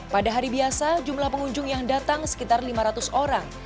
pada hari biasa jumlah pengunjung yang datang sekitar lima ratus orang